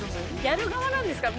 やる側なんですか？